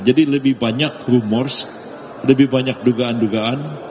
jadi lebih banyak rumours lebih banyak dugaan dugaan